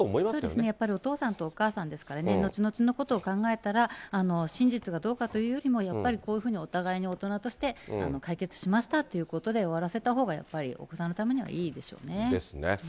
そうですね、やっぱりお父さんとお母さんですからね、後々のことを考えたら、真実がどうかというよりも、やっぱりこういうふうにお互いに大人として、解決しましたということで終わらせたほうがやっぱり、お子さんのですね。